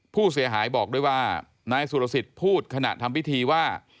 ผู้เสียหายบอกด้วยว่านายสุรสิทธิ์พูดขณะทำพิธีว่า